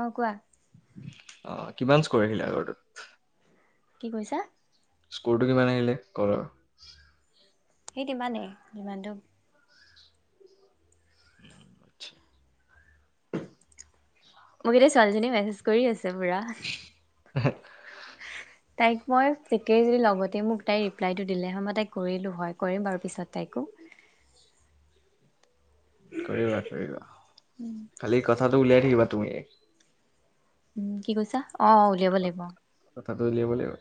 অ', কোৱা। অ', কিমান স্কৰ আহিলে আগৰটোত? কি কৈছা? স্কৰটো কিমান আহিলে কৰৰ? সেই তিমানে যিমানটো হুম আটছা। মোক এতিয়া ছোৱালীজনীয়ে মেছেজ কৰি আছে পুৰা। [inaudible] তাইক মই ঠিকেই যদি লগতে মোক তাই ৰিপ্লাইটো দিলে হয় মই তাইক কৰিলো হয় কৰিম বাৰু পিছত তাইকো। [inaudible] কৰিবা-কৰিবা। খালি কথাটো উলিয়াই থাকিবা তুমি। উম, কি কৈছা? অ অ উলিয়াব লাগিব। কথাটো উলিয়াব লাগিব।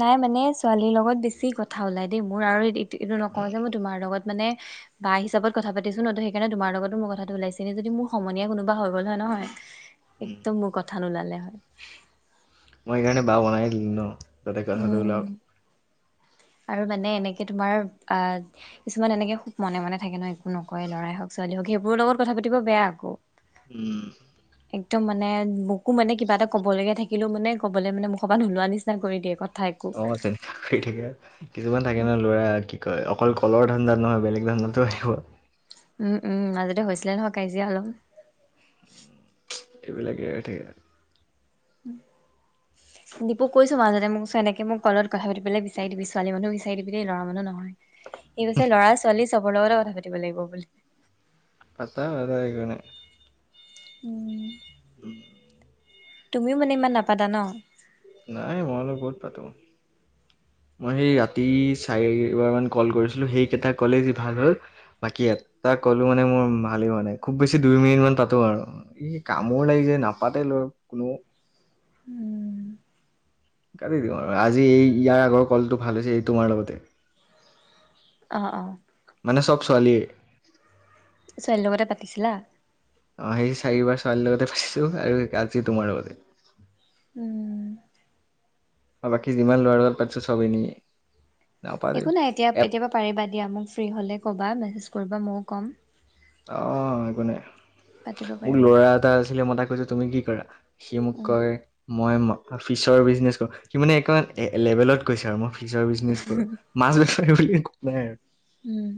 নাই মানে ছোৱালীৰ লগত বেছি কথা ওলাই দে মোৰ আৰু এইটো নকওঁ যে মই তোমাৰ লগত মানে বাঁ হিচাপত কথা পাতিছো ন ত সেইকাৰনে তোমাৰ লগতো কথাটো ওলাইছে। এনে যদি মোৰ সমনীয়া কোনোবা হৈ গ'ল হয় নহয় [inaudible] একদম মোৰ কথা নোলালে হয়। মই এইকাৰণে বা বনায়ে দিলোঁ ন, যাতে কথাটো উলাওঁ। উম আৰু মানে এনেকে তোমাৰ আ কিছুমান এনেকে খুব মনে মনে থাকে ন, একো নকয় ল'ৰাই হওক ছোৱালীয়ে হওক। সেইবোৰৰ লগত কথা পাতিব বেয়া আকৌ। উম। একদম মানে মোকো মানে কিবা এটা ক'ব লগীয়া থাকিলো মানে কবলে মানে মুখ পা নোলোৱা নিচি কৰি দিয়ে কথা একো অ তেনেকা থাকে কিছুমান থাকে ন ল'ৰা কি কয়, অকল কলৰ ধান্দাত নহয় বেলেগ ধান্দাতো আহিব উম উম মাজতে হৈছিলে নহয় কাজিয়া অলপ। এইবিলাকে হৈ থাকে। [inaudible] দীপু কৈছো মাজতে মোক চ এনেকে মোক কলোত কথা পাতিবলে বিচাৰি দিবি ছোৱালী মানুহ বিচাৰি দিবি দেই ল'ৰা মানুহ নহয়। সি কৈছে ল'ৰা ছোৱালী চবৰ লগতে কথা পাতিব লাগিব বুলি। পাতা বাৰু একো নাই। উম। উম। তুমিও মানে ইমান নাপাতা ন? নাই মই অলপ বহুত পাতো। মই সেই ৰাতি চাৰিবাৰমান কল কৰিছিলোঁ সেইকেইটা ক'লেই যি ভাল হ'ল বাকী এটা কলো মানে মোৰ ভালেই হোৱা নাই। খুব বেছি দুই মিনিট মান পাতো আৰু। এই কামোৰ লাগি যে নাপাতে লৈ কোনো। উম কাটি দিওঁ আৰু। আজি এই ইয়াৰ আগৰ কলটো ভাল হৈছে এই তোমাৰ লগতে। অ অ। মানে চব ছোৱালীয়ে ছোৱালীৰ লগতে পাতিছিলা? অ সেই চাৰিবাৰ ছোৱালীৰ লগতে পাটিছো আৰু আজি তোমাৰ লগতে। উম। আৰু বাকী যিমান ল'ৰা লগত পাটিছোঁ চব এনেই। নাপাতেই একো নাই এতিয়া এট এতিয়াবা পাৰিবা দিয়া। মোক ফ্ৰী হ'লে ক'বা মেছেজ কৰিবা ময়ো ক'ম। অ একো নাই। পাতিব মোক পাৰিবা ল'ৰা এটা আছিলে মই তাই কৈছে তুমি কি কৰা সি মোক উম কয়, মই ফিচৰ বিজনেছ কৰো। সি মানে এক লেভেলত কৈছে আৰু মোক ফিচৰ বিজনেছ কৰো। মাছ বেপাৰী বুলি একোৱা নাই আৰু। উম।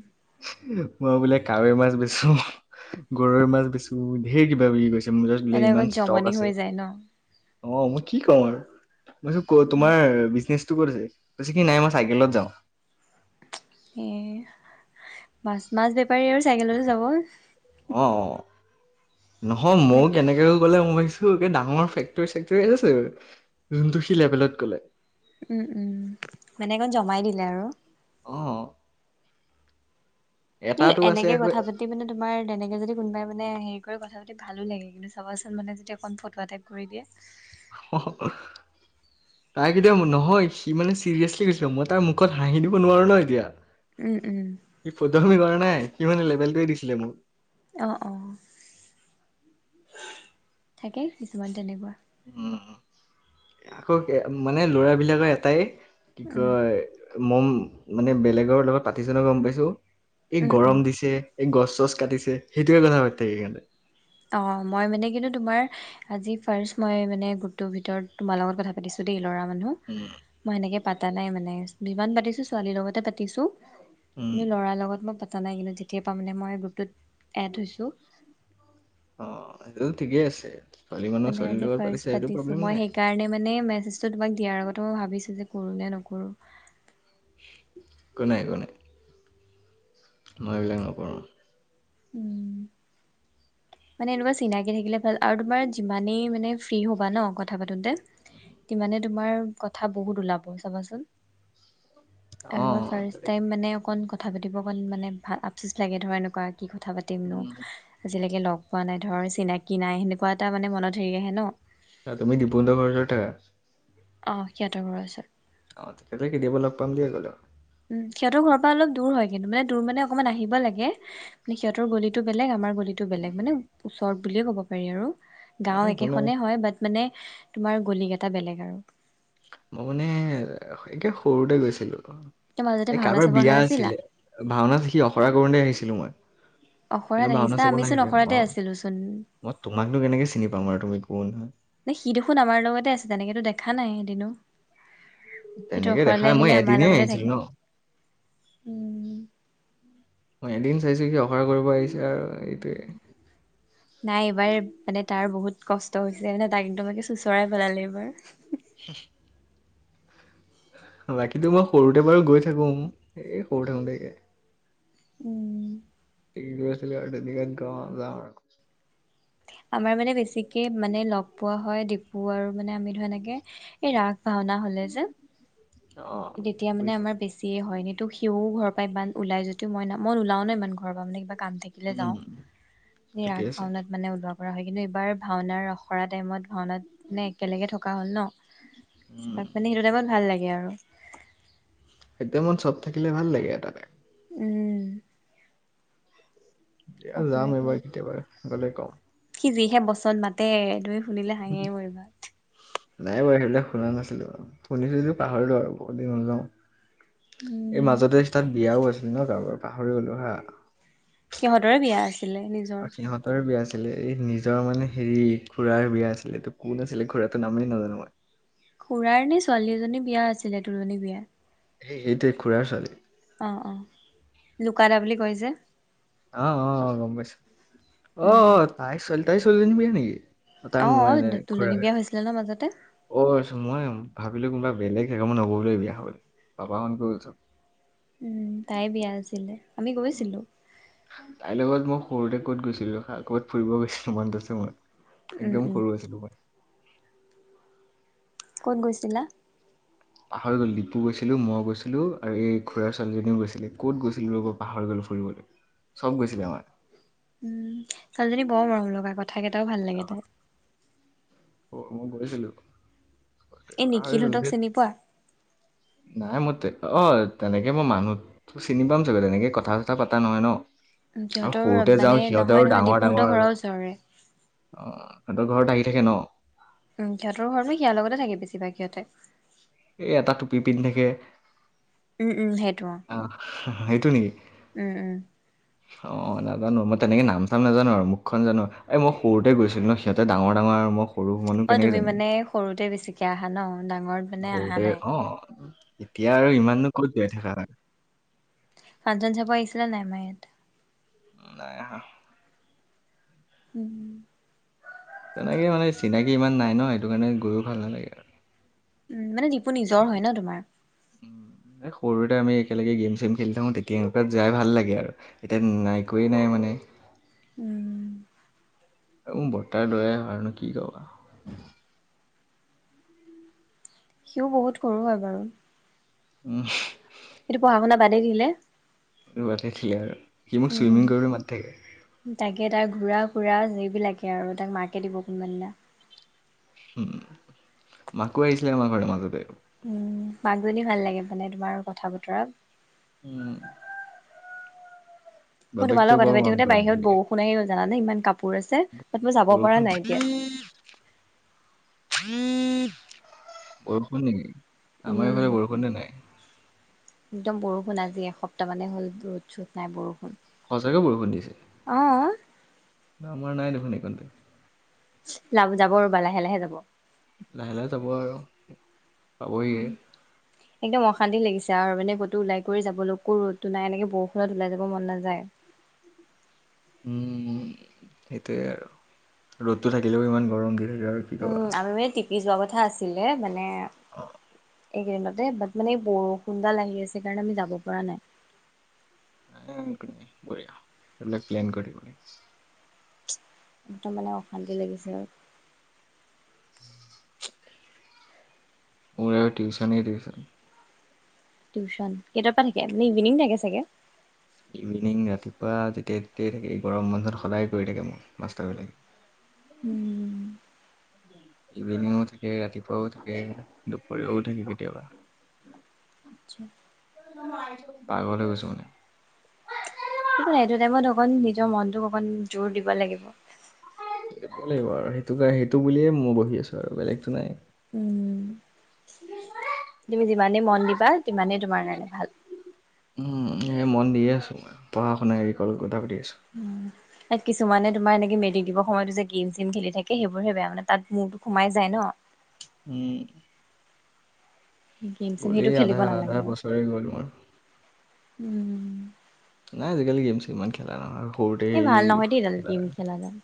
মই বোলে কাৱৈৰ মাছ বেছো, গৰৈৰ মাছ বেছো ঢেইৰ কিবা কিবি কৈছে। [unintelligible] দিলে মানে আগত ইমান জমনি ষ্টক আছে। হৈ যায় ন অ মই কি কম আৰু, মই কৈছোঁ ক তোমাৰ বিজনেচটো ক'ত আছে? বেছিকে নাই মই চাইকেলত যাওঁ এ মাছ মাছ বেপাৰী আৰু চাইকেলতে যাব অ অ নহয় নে মোৰ কেনেকেও ক'লে মই ভাবিছো ডাঙৰ ফেক্টৰী চেক্টৰী আছে চাগৈ যোনটো সি লেভেলত ক'লে উম উম মানে একণ জমাই দিলে আৰু অ কি এটাতো আছে এনেকে আকৌ কথা পাতি মানে তোমাৰ তেনেকে যদি কোনোবাই মানে হেৰি কৰি কথা পাতি ভালো লাগে কিন্তু চাবাচোন মানে যদি অকণ ফটোৱা টাইপ কৰি দিয়ে [unintelligible] তাই কেতিয়া নহয় সি মানে চিৰিয়াছলি কৈছিলে মই তাই মুখত হাঁহি দিব নোৱাৰো ন এতিয়া উম উম সি ফটোৱামি কৰা নাই সি মানে লেবেলটোৱে দিছিলে মোক অ অ থাকে কিছুমান তেনেকুৱা উম আকৌ মানে কে ল'ৰা বিলাকৰ এটাই কি উম কয় মম মানে বেলেগৰ লগত পাতিচোনে গম পাইছো এই উম উম গৰম দিছে এই গছ চছ কাটিছে সেইটোয়ে কথা পাতি থাকে সেইকাৰণে অ মই মানে কিন্তু তোমাৰ আজি ফাৰ্ষ্ট মই মানে গ্ৰুপটোৰ ভিতৰত তোমাৰ লগত কথা পাতিছোঁ দেই ল'ৰা মানুহ, উম মই হেনেকে পাতা নাই মানে যিমান পাতিছো ছোৱালীৰ লগতে পাতিছো। উম কিন্ত লৰাৰ লগত মই পাতা নাই কিন্তু যেতিয়া পা মই গ্ৰুপটোত এড হৈছোঁ, অ সেইটো ঠিকেই আছে ছোৱালী মানুহ ছোৱালীৰ লগত পাতিছে সেইটো প্ৰব্লেম নাই। কাৰণে মানে মেছেজটো তোমাক দিয়াৰ আগতো ভাবিছোঁ যে কৰোঁ নে নকৰোঁ, কো নাই একো নাই, মই এইবিলাক নকৰোঁ, উম মানে এনেকুৱা চিনাকি থাকিলে ভাল আৰু তোমাৰ যিমানেই মানে ফ্ৰী হবা ন কথা পাতোতে, সিমানে তোমাৰ কথা বহুত ওলাব চাবাচোন। অ আৰু মই ফাৰ্ষ্ট বেলেগ। টাইম মানে অকন কথ থা পাতিব অকণ মানে ভাল আফচুচ লাগে ধৰ এনেকুৱা কি কথা পাতিমনো উম, আজিলেকে লগ পোৱা নাই ধৰ চিনাকি নাই সেনেকুৱা এটা মানে মনত হেৰি আহে ন, অ তুমি দিপুঞ্জয় ঘৰ ওচৰত থাকা? অঁ সিহঁতৰ ঘৰ ওচৰত, অ তেতিয়া হলে কেতিয়াবা লগ পাম দিয়া গ'লে উম সিহঁতৰ ঘৰৰ পা অলপ দূৰ হয় কিন্তু মানে দূৰ মানে অকণমান আহিব লাগে। মানে সিহতৰ গলিতো বেলেগ আমাৰ গলিট, টো বেলেগ মানে ওচৰত বুলিয়ে ক'ব পাৰি আৰু অ গাও একো নাই একেখনে হয় বাত, মানে তোমাৰ গলি কেইটা বেলেগ আৰু, মই মানে একে সৰুতে গৈছিলো তই মাজতে এই ভাওনা কাৰবাৰ চাব অহা বিয়া নাছিলা আছিলে। ভাওনাত হি অখৰা কৰোতে আহিছিলো মই, কিন্তু অখৰাত ভাওনা আহিছা চাব আমিচোন নাহিলে অ অখৰাতে আছিলো চোন মই তোমাকনো কেনেকে চিনি পাম বাৰু তুমি কোন? না সি দেখোন আমাৰ লগতে আছে তেনেকেতো দেখা নাই এদিনো, সিটো তেনেকে দেখা অখৰালে নাই মই আহিলে আমাৰ এদিনেই লগতে আহিছিলো থাকে ন উম মই এদিন চাইছো সি অখৰা কৰিব আহিছে আৰু এইটোৱে, নাই এইবাৰ মানে তাৰ বহুত কষ্ট হৈছে মানে তাক একদমে চোঁচৰাই পেলালে এইবাৰ [inaudible] বাকীতো মই সৰুতে বাৰু গৈ থাকো এ' সৰু থাকোতেকে উম্। [unintelligible] আমাৰ মানে, বেছিকে মানে লগ পোৱা হয় ডিপু আৰু মানে আমি ধৰা এনেকে, এহ ৰাস ভাওনা হ'লে যে, অ যেতিয়া মানে বুজিছো আমাৰ বেছি চিয়ে হয় এনেত সিও ঘৰ পৰা ইমান ওলাই যদিও মই, মই নুলাও ন ইমান ঘৰৰ পৰা সিমান কাম থাকিলে যাওঁ উম এই ঠিকে ৰাস আছে ভাওনাত মানে উলোৱা কৰা হয়। কিন্তু এইবাৰ ভাওনাৰ অখৰা টাইমত ভাওনাত মানে একেলগে থকা হ'ল ন, উম তাক মানে সেইটো টাইমত ভাল লাগে আৰু সেইটো সময়ত চব থাকিলে ভাল লাগে এটা এটাকে উম্ দিয়া অখৰা যাম কেইদিন এইবাৰ কেতিয়াবা গ'লে কম। সি যিহে বচন মাতে তুমি শুনিলে হাঁহি হাঁহি মৰিবা। নাই বাৰু সেইবিলাক শুনা নাছিলো, শুনিছো যদিও পাহৰিলো আৰু বহুত দিন হ'ল ন। এই উম মাজতে [unintelligible] বিয়াও আছিল ন কাৰোবাৰ পাহৰি গলো হা সিহঁতৰে বিয়া আছিলে নিজ অ' সিহঁত তাৰে বিয়া আছিলে এই নিজৰ মানে হেৰি খুুৰাৰ বিয়া আছিলে, এইটো কোন আছিলে খুৰাটো নামেই নাজানো মই। খুৰাৰ নে ছোৱালী এজনী বিয়া আছিলে তোলনী বিয়া। সেই সেইটোৱে খুুৰাৰ ছোৱালী। অঁ অঁ লুকাদা বুলি কয় যে। অ' অ' অ‌' গম পাইছো, অ' উম অ' তাই ছোৱালী তাই ছোৱালী [unintelligible] নেকি? তাৰ অ [unintelligible] খুৰা তুলনি হয়। বিয়া হৈছিলে ন মাজতে অঁ চ মই ভাবিলো কোনোবা বেলেগ সে, মই নগলোৱে বিয়া খাবলে পাপাহত গ'ল চব। উম তাই বিয়া আছিলে, আমি গৈছিলো। তাইৰ লগত মই সৰুতে ক'ত গৈছিলো, ৰখা ক'ত ফুৰিব গৈছিলো মনত আছে মোৰ। উম একদম উম সৰু আছিলো মই। ক'ত গৈছিলা? পাহৰি গ'ল ডিপু গৈছিলোঁ, মই গৈছিলো আৰু এই খুৰাৰ ছোৱালীজনীও গৈছিলে ক'ত গৈছিলো ৰব পাহৰি গ'লো ফুৰিবলৈ। চব গৈছিলে আমাৰ। উম ছোৱালীজনী বৰ মৰম লগা কথা কেইটাও ভাল লাগে তাইৰ। অ মই গৈছিলো এই পাহৰি গলো নিখিলহঁতক ধেইৎ। চিনি পোৱা? নাই মই, তে অ' তেনেকে মই মানু চিনি পাম চাগে তেনেকে কথা চথা পতা নহয় ন। আৰু সিহঁতৰ সৰুতে মানে যাওঁ নহয় সিহঁতেও নহয় ডাঙৰ ডিপুহঁতৰ ডাঙৰ ঘৰৰ আৰু। ওচৰৰে। অ' সিহঁতৰ ঘৰত আহি থাকে ন। উম্ সিহঁতৰ ঘৰ নো সিয়াৰ লগতে থাকে বেছিভাগ সিহঁতে। এ এটা টুপি পিন্ধ থাকে। উম্ উম্ সেইটো অ, অঁ সেইটো নেকি? উম্ উম্। [inaudible] অঁ নাজানো মই তেনেকৈ নাম চাম নাজানো, আৰু মুখখন জানো এই মই সৰুতে গৈছিলো ন সিহঁতে ডাঙৰ ডাঙৰ আৰু মোক সৰুহ মইনো অ কেনেকে তুমি জানিম, মানে সৰুতে বেছিকে আহা ন ডাঙৰত মানে আহা সৰুতে নাই অ'। এতিয়া আৰু ইমাননো ক'ত গাই থাকা হয়। ফাংচন চাব আহিছিলা নে নাই আমাৰ ইয়াত? নাই অহা। উম। তেনেকে মানে চিনাকি ইমান নাই ন', সেইটো কাৰণে গৈয়ো ভাল নালাগে আৰু। উম, মানে নিপু নিজৰ হয় ন' তোমাৰ? উম, সৰুতে আমি একেলগে গেম-চেম খেলি থাকো তেতিয়া এনেকুৱাত যাই ভাল লাগে আৰু। এতিয়া নাই একোয়ে নাই মানে। উম। মোৰ বৰ্তাৰ ল'ৰাই হয় আৰু নো কি ক'বা। সিও বহুত সৰু হয় বাৰু। উম। সিটো পঢ়া-শুনা বাদেই দিলে। সি বাদেই দিলে আৰু সি মোক উম ছুইমিং কৰিবলে মাতি থাকে। তাকে তাৰ ঘুৰা-ফুৰা যিবিলাকে আৰু তাক মাকে দিব কোনোবা দিনা। উম, মাকো আহিছিলে আমাৰ ঘৰলে মাজতে। উম, মাকজনী ভাল লাগে মানে তোমাৰ কথা-বতৰা। উম। মই তোমাৰ বাপেকটো লগত বৰ কথা পাতি মৰম থাকোতে কৰে মোক। বাহিৰত বৰষুন আহি গ'ল জানা নে ইমান কাপোৰ আছে। বাত মই যাব পৰা বৰষুণ নাই এতিয়া। বৰষুণ নেকি? আমাৰ উম। এইফালে বৰষুণে নাই একদম বৰষুণ আজি এসপ্তাহ মানে হ'ল ৰ'দ-চ'ত নাই বৰষুণ। সঁচাকৈ বৰষুণ দি আছে। অ'। ন আমাৰ নাই দেখোন এইকন্তে। যাব ৰ'বা লাহে লাহে যাব। লাহে লাহে যাব আৰু। পাবহিয়ে উম। একদম অশান্তি লাগিছে আৰু মানে ক'তো ওলাই কৰি যাবলৈকো ৰ'দটো নাই এনেকে বৰষুণত ওলাই যাব মন নাযায়। উম, সেইটোয়ে আৰু ৰ'দটো থাকিলেও ইমান গৰম দি থাকে আৰু। কি ক'বা। উম, আমি মানে টিপি যোৱা কথা আছিলে, মানে অ'। এইকেইদিনতে, বাট মানে এই বৰষুণ দাল আহি আছে, সেইকাৰণে আমি যাব পৰা নাই। উম [unintelligible] একদম মানে অশান্তি লাগিছে আৰু। [inaudible] মোৰ আৰু টিউচনেই টিউচন। টিউশন, কেইটাৰ পৰা থাকে, [unintelligible] ইভিনিং থাকে চাগে? ইভিনিং ৰাতিপুৱা যেতিয়াই-তেতিয়াই থাকে, এই গৰম বন্ধত সদায় কৰি থাকে মোক মাষ্টাৰবিলাকে। উম। ইভিনিংও থাকে, ৰাতিপুৱাও থাকে, দুপৰীয়াও থাকে কেতিয়াবা। আচ্ছা। পাগল হৈ গৈছো মানে। একো নাই এইটো টাইমত অকণ নিজৰ মনটোক অকন জোৰ দিব লাগিব। দিব লাগিব আৰু সেইটো সেইটো বুলিয়ে মই বহি আছো আৰু বেলেগতো নাই। উম। শুনিছানে? তুমি যিমানেই মন দিবা, সিমানেই তোমাৰ কাৰণে ভাল। উম, এই মন দিয়ে আছোঁ‌, পঢ়া-শুনা এৰি কথা পাতি আছোঁ‌। উম। তাত কিছুমানে তোমাৰ এনেকে মেট্ৰিক দিব সময়তো যে গেম-চেম খেলি থাকে সেইবোৰহে বেয়া মানে, তাত মূৰটো সোমাই যায় ন। উম। গে-চেম সেইটো গ'লেই আধা খেলিব আধা নালাগে আৰু, বছৰে গ'ল মোৰ। উম। নাই আজিকালি গেম-ছেম ইমান খেলা নহয়, সৰুতে এই হেৰি ভাল নহয় দেই এডাল খেলা। গেম খেলাডাল।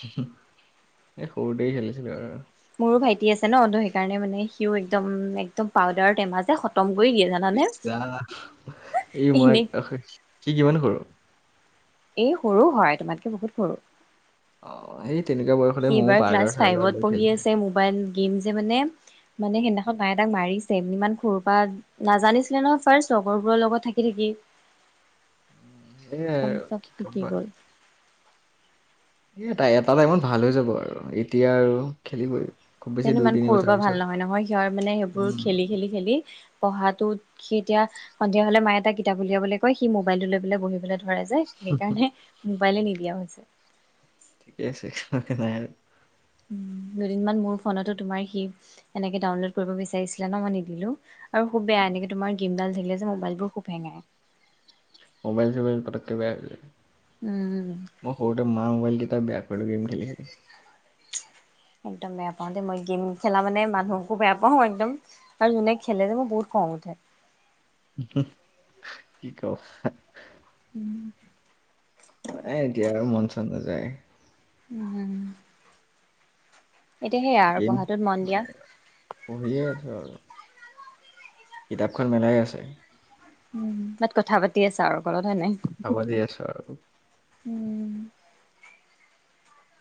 এ সৰুতেই খেলিছিলোঁ‌ আৰু। মোৰো ভাইটি আছে ন, ত' সেইকাৰণে মানে সিও একদম, একদম পাউদাৰৰ টেমা যে খতম কৰি দিয়ে জান ইচ ৰাম, এই এনে মই, সি কিমান সৰু? এই সৰু হয়, তোমাতকে বহুত সৰু। অ', সেই তেনেকুৱা বয়স সি এইবাৰ ক্লাছ ফাইভত পঢ়ি আছে, মোবাইল গেম যে মানে মানে সেইদিনাখন মায়ে তাক মাৰিছে, ইমান সৰুৰ পা নাজানিছিলে নহয় ফাৰ্ষ্ট, লগৰবোৰৰ লগত থাকি থাকি। উম, সেয়াই একদম আৰু, চব কি শিকি ক'বা। গ'ল। এ এটা, এটা টাইমত ভাল হৈ যাব আৰু, এতিয়া আৰু খেলিবই। খুব বেছি দুই ইমান তিনি সৰুৰ বছৰৰ পৰা ভাল পিছত নহয় নহয়, সিহৰ মানে সেইবোৰ উম খেলি-খেলি-খেলি পঢ়াটোত সি এতিয়া, সন্ধিয়া হ'লে মায়ে তাক কিতাপ উলিয়াবলে কয়, সি মবাইলটো লৈ পেলাই বহি পেলাই ধৰে যে, সেইকাৰণে মোবাইলে নিদিয়া হৈছে। ঠিকে আছে, সনে নাই আৰু। উম, দুদিনমান মোৰ ফোনতো তোমাৰ সি, এনেকে ডাউনলোড কৰিব বিচাৰিছিলে নহয় মই নিদিলোঁ‌। আৰু খুব বেয়া এনেক তোমাৰ গেম ডাল থাকিলে যে মবাইলবোৰ খুব হেঙায়। মোবাইল-চোবাইল পতককে বেয়া হৈ যায়। উম। মই সৰুতে মাৰ ম'বাইল কেইটা বেয়া কৰিলোঁ‌ গেম খেলি-খেলি। একদম বেয়া পাওঁ দেই, মই গেম খেলা মানে মানুহকো বেয়া পাওঁ, একদম আৰু যোনে খেলে যে মোৰ বহুত খঙ উঠে। [unintelligible] কি কও [unintelligible] উম। নাই এতিয়া আৰু মন-চন নাযায়। উম। এতিয়া সেইয়া আৰু দিন পঢ়াটোত মন দিয়া মানে সেয়া আৰু। পঢ়িয়ে আছোঁ‌ আৰু, কিতাপখন মেলাই আছে। উম, বাট কথা পাতি আছা আৰু কলত, হয় নাই? হ'ব দি আছো আৰু উম।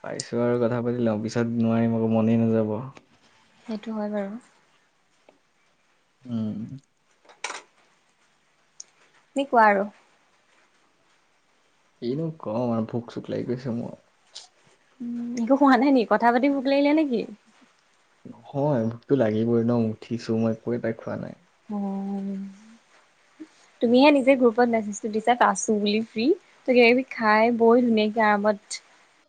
পাৰিছোঁ‌ আৰু কথা পাতি লওঁ, পিছত নোৱাৰিম আকৌ মনেই নাযাব। সেইটো হয় বাৰু। উম। কি কোৱা আৰু? কিনো কম আৰু ভোক-চোক লাগি গৈছে মোৰ। উম, একো খোৱা নাই নি? কথা পাতি ভোক লাগিলে নে কি? নহয় ভোকতো লাগিবই ন', উঠিছোঁ‌ মই একো এটা খোৱা নাই। অ'। [inaudible] তুমিহে নিজে গ্ৰুপত মেছেজটো দিছা। আছোঁ বুলি ফ্ৰী। তাকে এই খাই বই ধুনীয়াকে আৰামত।